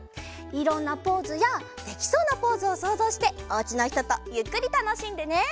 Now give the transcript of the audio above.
いろんなポーズやできそうなポーズをそうぞうしておうちのひととゆっくりたのしんでね！